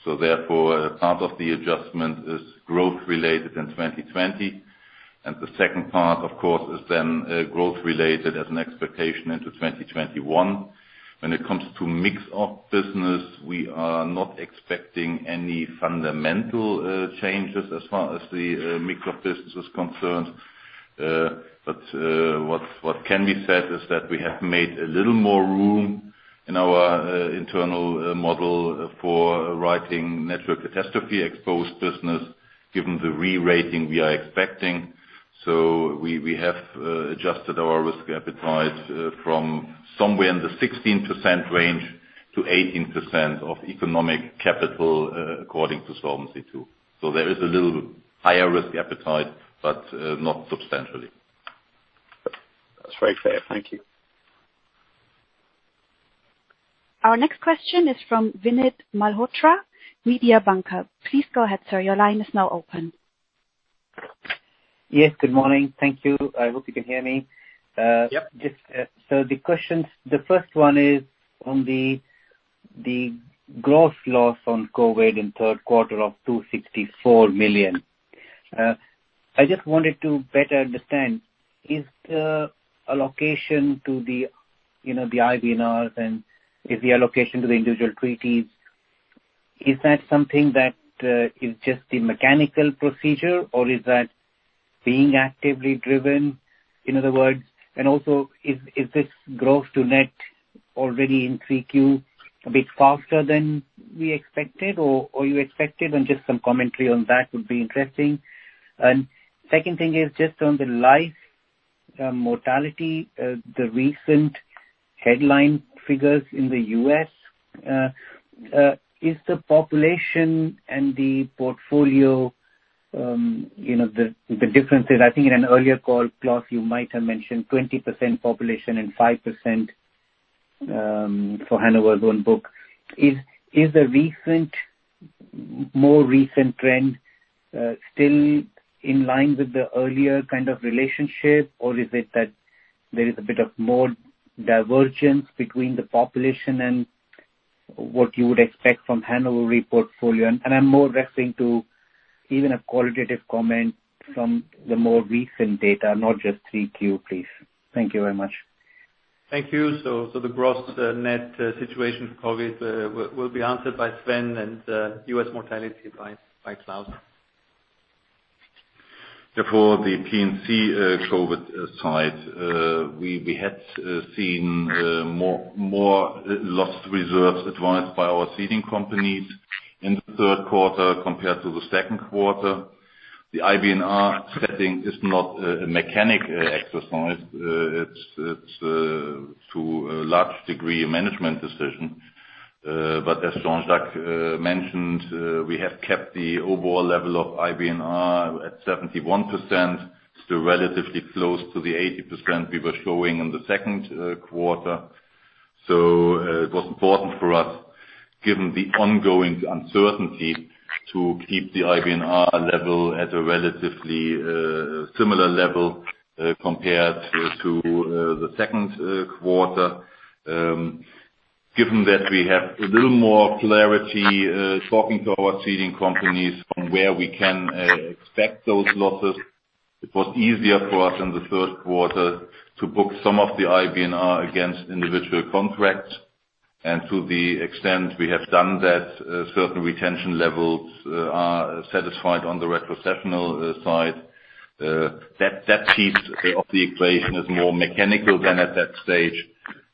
So therefore, part of the adjustment is growth-related in 2020. And the second part, of course, is then growth-related as an expectation into 2021. When it comes to mix of business, we are not expecting any fundamental changes as far as the mix of business is concerned. But what can be said is that we have made a little more room in our internal model for writing nat cat exposed business given the re-rating we are expecting. So we have adjusted our risk appetite from somewhere in the 16%-18% range of economic capital, according to Solvency II. So there is a little higher risk appetite but not substantially. That's very clear. Thank you. Our next question is from Vinit Malhotra, Mediobanca. Please go ahead, sir. Your line is now open. Yes. Good morning. Thank you. I hope you can hear me. Yep. So, the first question is on the gross loss on COVID in the third quarter of 264 million. I just wanted to better understand: is the allocation to the, you know, the IBNRs and the allocation to the individual treaties something that is just the mechanical procedure, or is that being actively driven, in other words? And also, is this gross to net already in 3Q a bit faster than we expected, or you expected? And just some commentary on that would be interesting. The second thing is just on the life mortality: the recent headline figures in the US—is the population and the portfolio, you know, the differences? I think in an earlier call, Klaus, you might have mentioned 20% population and 5% for Hannover's own book. Is the more recent trend still in line with the earlier kind of relationship, or is it that there is a bit more divergence between the population and what you would expect from Hannover Re portfolio? And I'm more referring to even a qualitative comment from the more recent data, not just Q3, please. Thank you very much. Thank you. So the gross net situation for COVID will be answered by Sven and US mortality by Klaus. Therefore, the P&C COVID side, we had seen more loss reserves advised by our ceding companies in the third quarter compared to the second quarter. The IBNR setting is not a mechanical exercise. It's to a large degree a management decision. But as Jean-Jacques mentioned, we have kept the overall level of IBNR at 71%. It's still relatively close to the 80% we were showing in the second quarter. So, it was important for us, given the ongoing uncertainty, to keep the IBNR level at a relatively similar level, compared to the second quarter. Given that we have a little more clarity, talking to our ceding companies on where we can expect those losses, it was easier for us in the third quarter to book some of the IBNR against individual contracts. And to the extent we have done that, certain retention levels are satisfied on the retrocessional side. That piece of the equation is more mechanical than at that stage.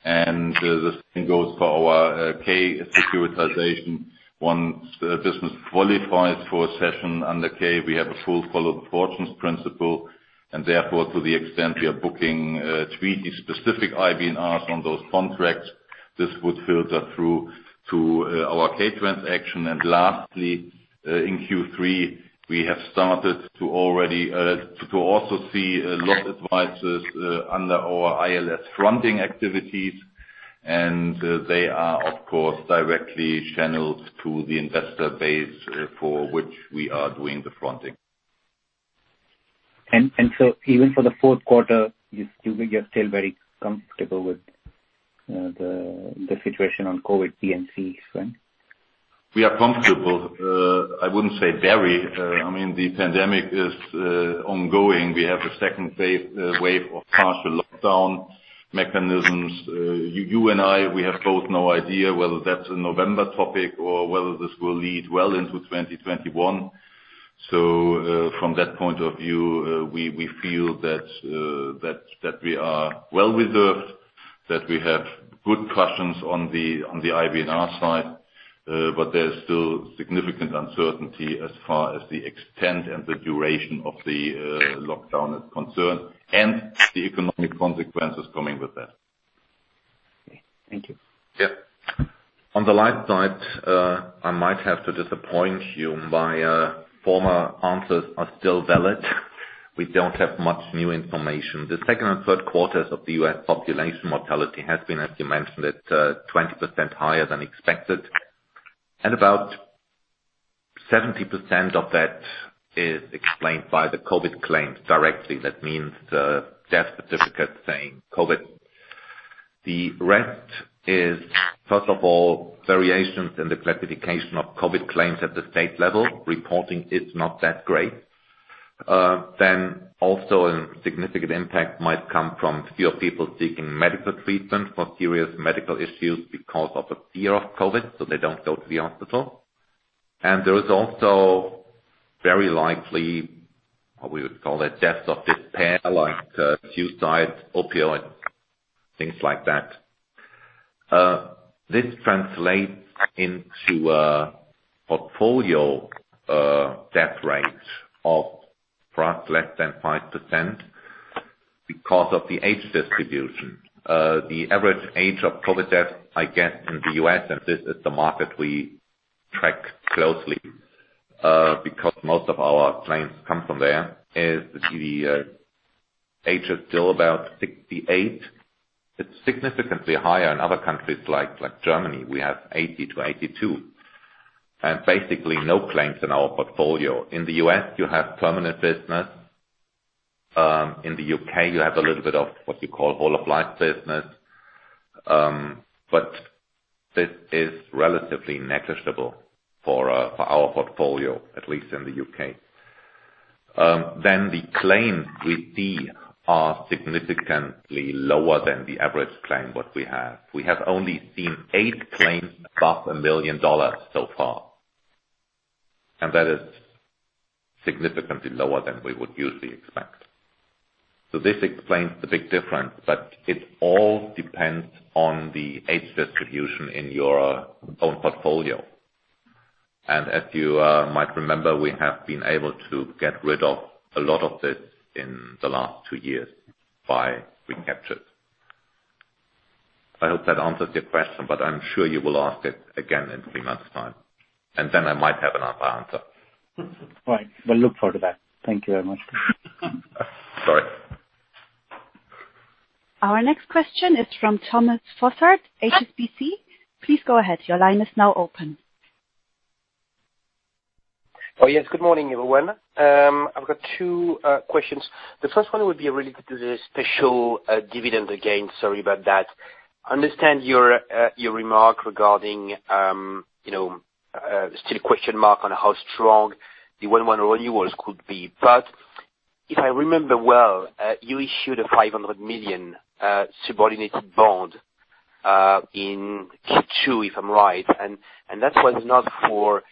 And the same goes for our K-Cession. Once business qualifies for K-Cession under K, we have a full follow-the-fortunes principle. And therefore, to the extent we are booking treaty-specific IBNRs on those contracts, this would filter through to our K-Cession. And lastly, in Q3, we have already started to also see a lot of advisors under our ILS fronting activities. And they are, of course, directly channeled to the investor base for which we are doing the fronting. And so even for the fourth quarter, you were still very comfortable with the situation on COVID, P&C, Sven? We are comfortable. I wouldn't say very. I mean, the pandemic is ongoing. We have a second wave of partial lockdown mechanisms. You and I, we have both no idea whether that's a November topic or whether this will lead well into 2021. So, from that point of view, we feel that we are well reserved, that we have good questions on the IBNR side. But there's still significant uncertainty as far as the extent and the duration of the lockdown is concerned and the economic consequences coming with that. Okay. Thank you. Yeah. On the life side, I might have to disappoint you; my former answers are still valid. We don't have much new information. The second and third quarters of the U.S. population mortality has been, as you mentioned, at 20% higher than expected. And about 70% of that is explained by the COVID claims directly. That means the death certificate saying COVID. The rest is, first of all, variations in the classification of COVID claims at the state level. Reporting is not that great. Then also a significant impact might come from fewer people seeking medical treatment for serious medical issues because of a fear of COVID, so they don't go to the hospital. There is also very likely what we would call deaths of despair, like, suicide, opioids, things like that. This translates into a portfolio death rate of perhaps less than 5% because of the age distribution. The average age of COVID death, I guess, in the U.S., and this is the market we track closely, because most of our claims come from there, is. The age is still about 68. It's significantly higher in other countries like Germany. We have 80-82. Basically no claims in our portfolio. In the U.S., you have permanent business. In the U.K., you have a little bit of what you call whole of life business. This is relatively negligible for our portfolio, at least in the U.K. The claims we see are significantly lower than the average claim what we have. We have only seen eight claims above $1 million so far. And that is significantly lower than we would usually expect. So this explains the big difference, but it all depends on the age distribution in your own portfolio. And as you might remember, we have been able to get rid of a lot of this in the last two years by recapture. I hope that answers your question, but I'm sure you will ask it again in three months' time. And then I might have another answer. Right. We'll look forward to that. Thank you very much. Sorry. Our next question is from Thomas Fossard, HSBC. Please go ahead. Your line is now open. Oh, yes. Good morning, everyone. I've got two questions. The first one would be related to the special dividend again. Sorry about that. I understand your remark regarding, you know, still question mark on how strong the 1/1 renewals could be. But if I remember well, you issued a 500 million subordinated bond in Q2, if I'm right. And that was not for,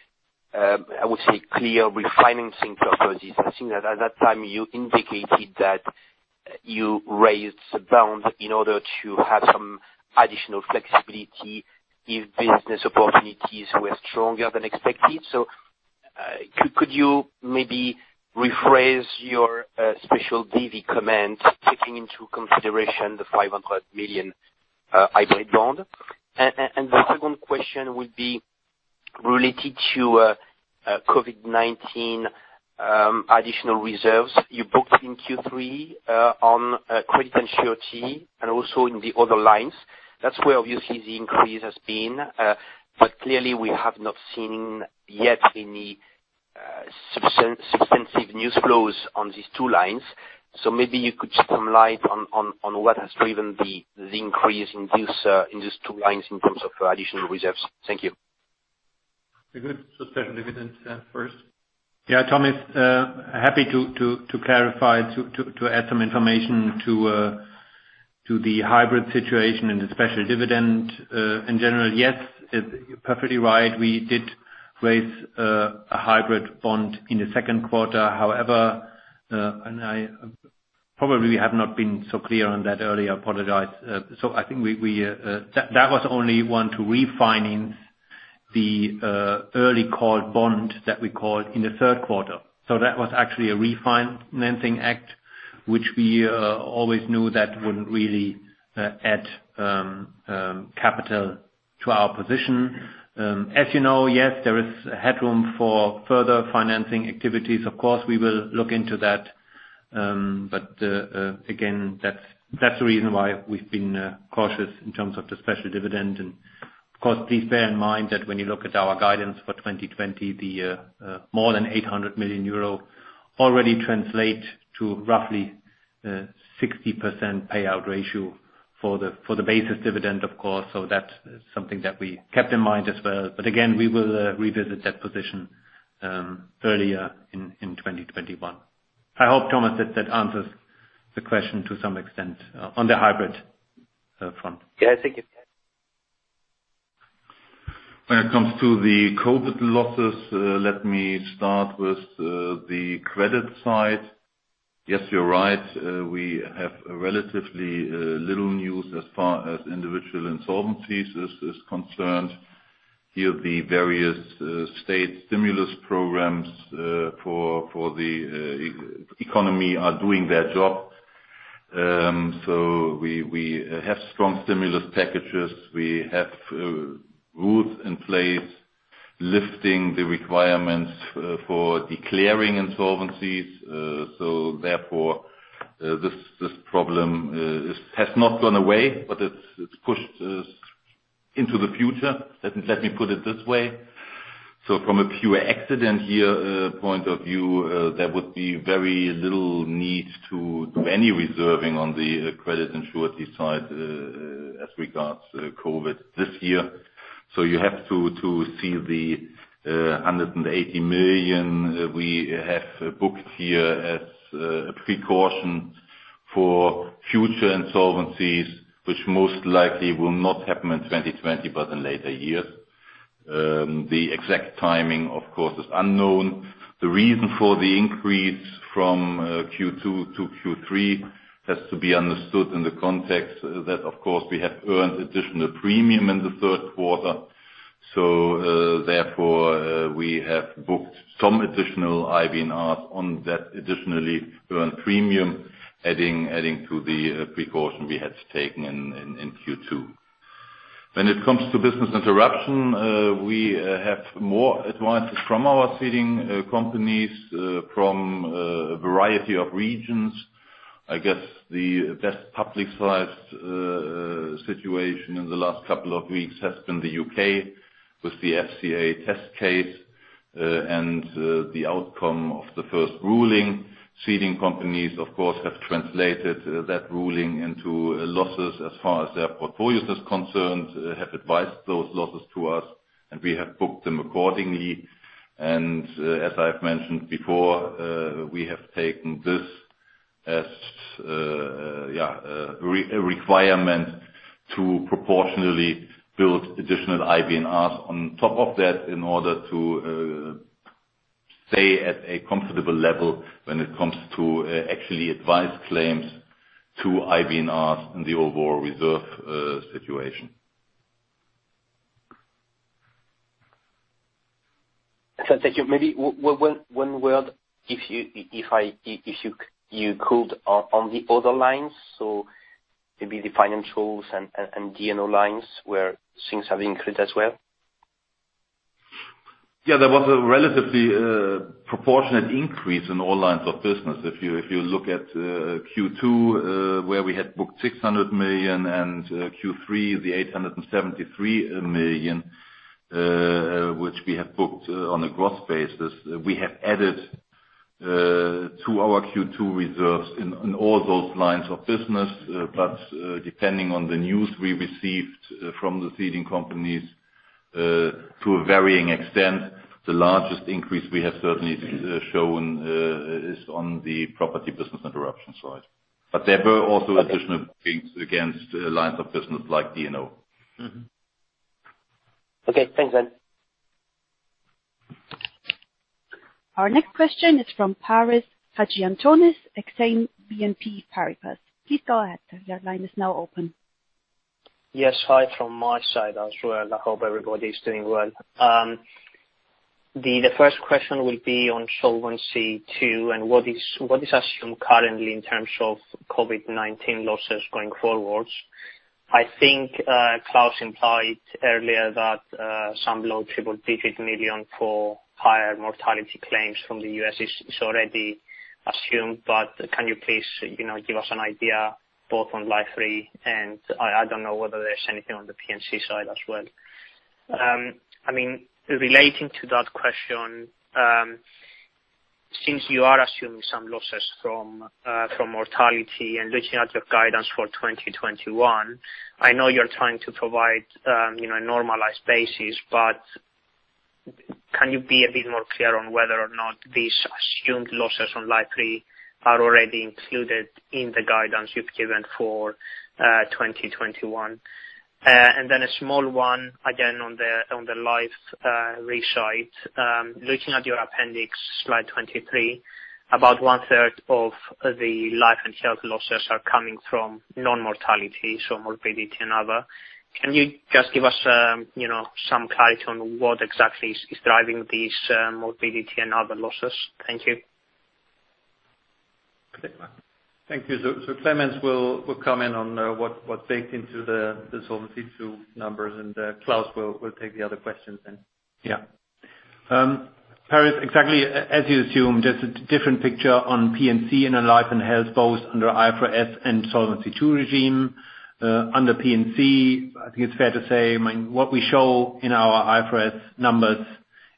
I would say, clear refinancing purposes. I think that at that time, you indicated that you raised the bond in order to have some additional flexibility if business opportunities were stronger than expected. So, could you maybe rephrase your special DV comment, taking into consideration the 500 million hybrid bond? And the second question would be related to COVID-19 additional reserves. You booked in Q3 on credit and surety and also in the other lines. That's where, obviously, the increase has been. But clearly, we have not seen yet any substantive new flows on these two lines. So maybe you could shed some light on what has driven the increase in these two lines in terms of additional reserves. Thank you. The good special dividend, first. Yeah. Thomas, happy to clarify, to add some information to the hybrid situation and the special dividend. In general, yes, it's perfectly right. We did raise a hybrid bond in the second quarter. However, and I probably have not been so clear on that earlier. I apologize. So I think that was only one to refinance the early call bond that we called in the third quarter. So that was actually a refinancing act, which we always knew that wouldn't really add capital to our position. As you know, yes, there is headroom for further financing activities. Of course, we will look into that. but again, that's the reason why we've been cautious in terms of the special dividend. And of course, please bear in mind that when you look at our guidance for 2020, the more than 800 million euro already translate to roughly 60% payout ratio for the basis dividend, of course. So that's something that we kept in mind as well. But again, we will revisit that position earlier in 2021. I hope, Thomas, that that answers the question to some extent on the hybrid front. Yeah. Thank you. When it comes to the COVID losses, let me start with the credit side. Yes, you're right. We have relatively little news as far as individual insolvencies is concerned. Here, the various state stimulus programs for the economy are doing their job. So we have strong stimulus packages. We have rules in place lifting the requirements for declaring insolvencies. So therefore, this problem has not gone away, but it's pushed into the future. Let me put it this way. So from a pure actuarial point of view, there would be very little need to do any reserving on the credit and surety side, as regards COVID this year. So you have to see the 180 million we have booked here as a precaution for future insolvencies, which most likely will not happen in 2020 but in later years. The exact timing, of course, is unknown. The reason for the increase from Q2 to Q3 has to be understood in the context that, of course, we have earned additional premium in the third quarter. So, therefore, we have booked some additional IBNRs on that additionally earned premium, adding to the precaution we had taken in Q2. When it comes to business interruption, we have more advisors from our ceding companies from a variety of regions. I guess the best publicized situation in the last couple of weeks has been the UK with the FCA test case and the outcome of the first ruling. Ceding companies, of course, have translated that ruling into losses as far as their portfolios is concerned, have advised those losses to us, and we have booked them accordingly. As I've mentioned before, we have taken this as yeah a requirement to proportionally build additional IBNRs on top of that in order to stay at a comfortable level when it comes to actually advised claims to IBNRs in the overall reserve situation. Thank you. Maybe one word if you could on the other lines. So maybe the financials and D&O lines where things have increased as well. Yeah. There was a relatively proportionate increase in all lines of business. If you look at Q2, where we had booked 600 million and Q3, the 873 million, which we have booked, on a gross basis. We have added to our Q2 reserves in all those lines of business. But depending on the news we received from the ceding companies, to a varying extent, the largest increase we have certainly shown is on the property business interruption side. But there were also additional bookings against lines of business like D&O. Mm-hmm. Okay. Thanks, Sven. Our next question is from Paris Hadjiantonis, Exane BNP Paribas. Please go ahead. Your line is now open. Yes. Hi from my side as well. I hope everybody's doing well. The first question will be on Solvency II and what is assumed currently in terms of COVID-19 losses going forward. I think Klaus implied earlier that some low triple-digit million for higher mortality claims from the US is already assumed. But can you please, you know, give us an idea both on line three? And I don't know whether there's anything on the P&C side as well. I mean, relating to that question, since you are assuming some losses from mortality and looking at your guidance for 2021, I know you're trying to provide, you know, a normalized basis, but can you be a bit more clear on whether or not these assumed losses on line three are already included in the guidance you've given for 2021? and then a small one again on the, on the life side. Looking at your appendix, slide 23, about 1/3 of the Life and Health losses are coming from non-mortality, so morbidity and other. Can you just give us, you know, some clarity on what exactly is driving these morbidity and other losses? Thank you. Thank you. So Clemens will come in on what baked into the Solvency II numbers. And Klaus will take the other questions then. Yeah. Paris, exactly as you assumed, there's a different picture on P&C and on Life and Health both under IFRS and Solvency II regime. Under P&C, I think it's fair to say, I mean, what we show in our IFRS numbers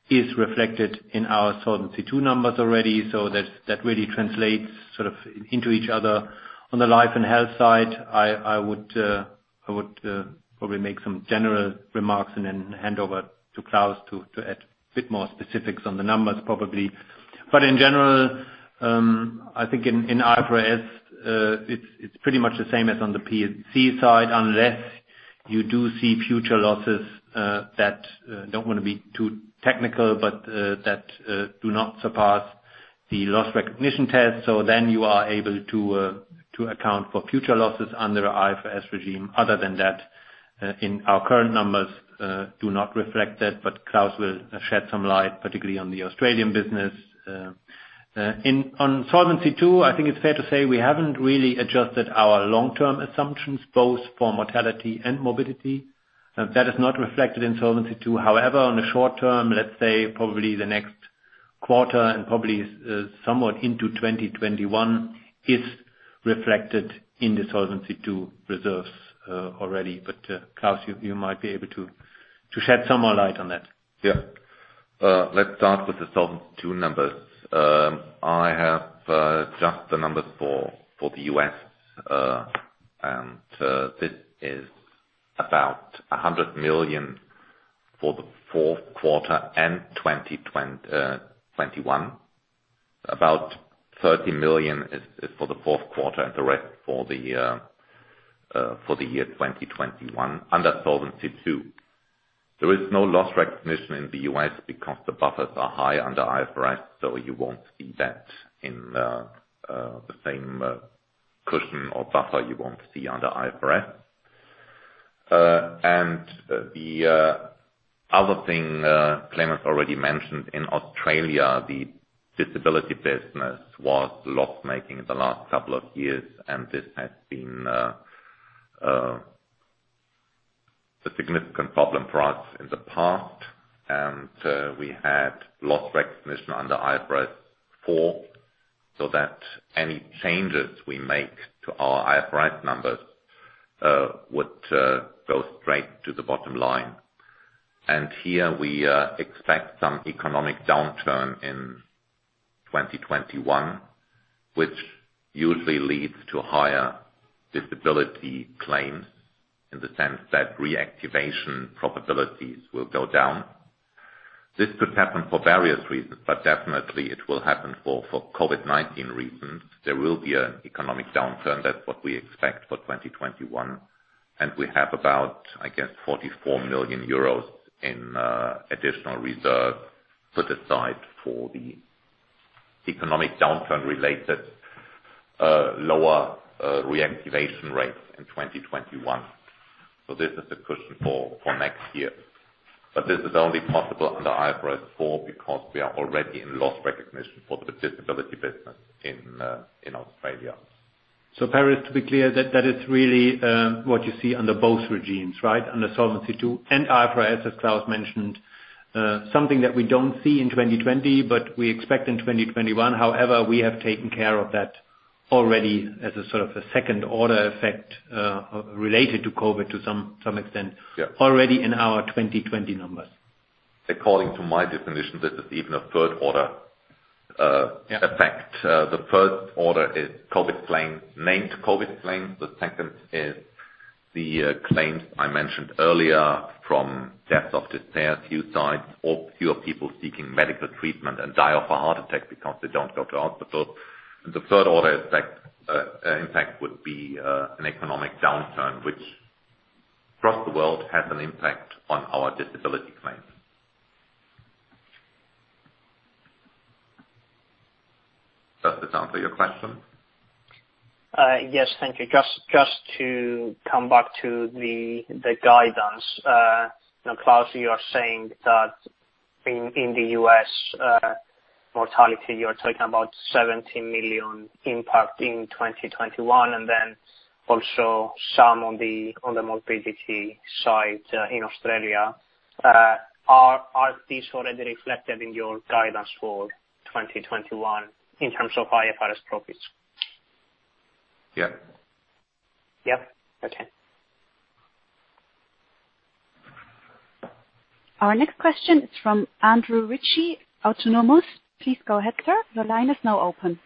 is reflected in our Solvency II numbers already. So that really translates sort of into each other. On the Life and Health side, I would probably make some general remarks and then hand over to Klaus to add a bit more specifics on the numbers probably. But in general, I think in IFRS, it's pretty much the same as on the P&C side unless you do see future losses that don't want to be too technical, but that do not surpass the loss recognition test. So then you are able to account for future losses under IFRS regime. Other than that, in our current numbers do not reflect that. But Klaus will shed some light, particularly on the Australian business. In Solvency II, I think it's fair to say we haven't really adjusted our long-term assumptions both for mortality and morbidity. That is not reflected in Solvency II. However, on the short term, let's say probably the next quarter and probably, somewhat into 2021 is reflected in the Solvency II reserves, already. But, Klaus, you, you might be able to, to shed some more light on that. Yeah. Let's start with the Solvency II numbers. I have, just the numbers for, for the U.S. And, this is about $100 million for the fourth quarter and 2020-21. About $30 million is, is for the fourth quarter and the rest for the, for the year 2021 under Solvency II. There is no loss recognition in the U.S. because the buffers are high under IFRS. So you won't see that in, the same, cushion or buffer you won't see under IFRS. And, the, other thing, Clemens already mentioned, in Australia, the disability business was loss-making in the last couple of years. This has been a significant problem for us in the past. We had loss recognition under IFRS 4 so that any changes we make to our IFRS numbers would go straight to the bottom line. Here, we expect some economic downturn in 2021, which usually leads to higher disability claims in the sense that reactivation probabilities will go down. This could happen for various reasons, but definitely it will happen for COVID-19 reasons. There will be an economic downturn. That's what we expect for 2021. We have about, I guess, 44 million euros in additional reserve put aside for the economic downturn related lower reactivation rates in 2021. So this is the cushion for next year. But this is only possible under IFRS 4 because we are already in loss recognition for the disability business in Australia. So, Paris, to be clear, that, that is really what you see under both regimes, right, under Solvency II and IFRS, as Klaus mentioned, something that we don't see in 2020, but we expect in 2021. However, we have taken care of that already as a sort of a second-order effect, related to COVID to some, some extent. Yeah. Already in our 2020 numbers. According to my definition, this is even a third-order effect. The first order is COVID claim, named COVID claim. The second is the claims I mentioned earlier from deaths of disparate suicides or fewer people seeking medical treatment and die of a heart attack because they don't go to hospital. And the third-order effect impact would be an economic downturn, which across the world has an impact on our disability claims. Does this answer your question? Yes. Thank you. Just to come back to the guidance, you know, Klaus, you are saying that in the US, mortality, you're talking about 70 million impact in 2021 and then also some on the morbidity side, in Australia. Are these already reflected in your guidance for 2021 in terms of IFRS profits? Yeah. Yep. Okay. Our next question is from Andrew Ritchie, Autonomous Research. Please go ahead, sir. Your line is now open.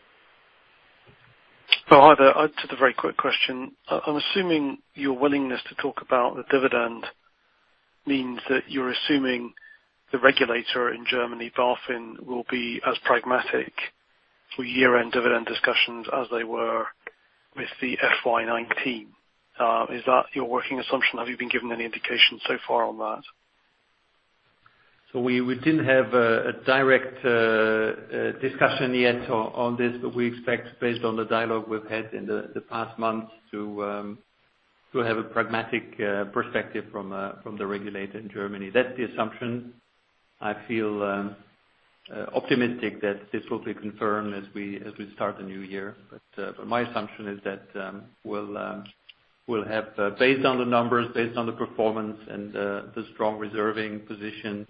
Oh, hi there. Just a very quick question. I'm assuming your willingness to talk about the dividend means that you're assuming the regulator in Germany, BaFin, will be as pragmatic for year-end dividend discussions as they were with the FY 2019. Is that your working assumption? Have you been given any indication so far on that? So we didn't have a direct discussion yet on this, but we expect, based on the dialogue we've had in the past months, to have a pragmatic perspective from the regulator in Germany. That's the assumption. I feel optimistic that this will be confirmed as we start the new year. But my assumption is that we'll have, based on the numbers, based on the performance and the strong reserving position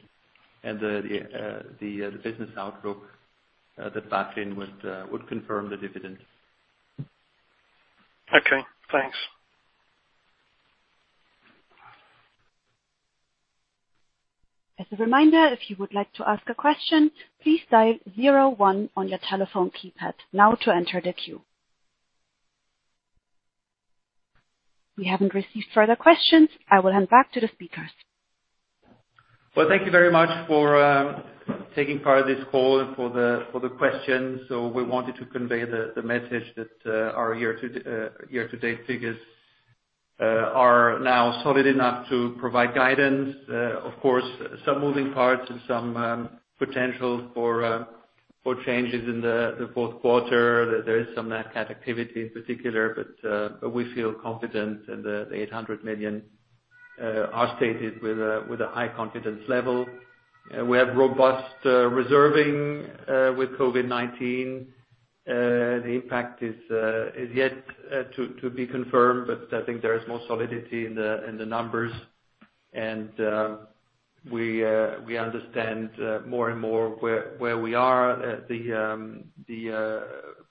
and the business outlook, that BaFin would confirm the dividend. Okay. Thanks. As a reminder, if you would like to ask a question, please dial zero one on your telephone keypad now to enter the queue. We haven't received further questions. I will hand back to the speakers. Well, thank you very much for taking part in this call and for the questions. So we wanted to convey the message that our year-to-date figures are now solid enough to provide guidance. Of course, some moving parts and some potential for changes in the fourth quarter. There is some NatCAT activity in particular, but we feel confident and the 800 million are stated with a high confidence level. We have robust reserving with COVID-19. The impact is yet to be confirmed, but I think there is more solidity in the numbers. And we understand more and more where we are. The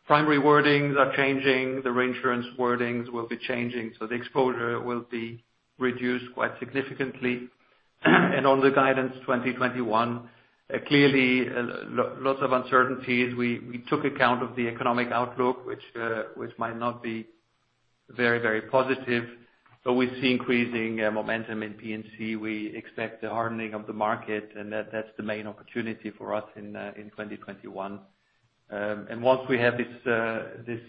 primary wordings are changing. The reinsurance wordings will be changing. So the exposure will be reduced quite significantly. And on the guidance 2021, clearly, lots of uncertainties. We took account of the economic outlook, which might not be very positive. But we see increasing momentum in P&C. We expect the hardening of the market, and that that's the main opportunity for us in 2021. And once we have this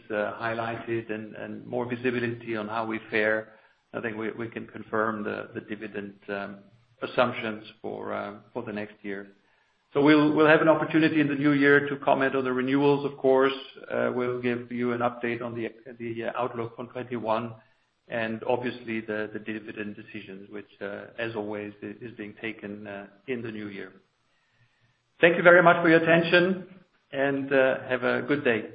highlighted and more visibility on how we fare, I think we can confirm the dividend assumptions for the next year. So we'll have an opportunity in the new year to comment on the renewals, of course. We'll give you an update on the outlook for 2021 and obviously the dividend decisions, which, as always, is being taken in the new year. Thank you very much for your attention and have a good day.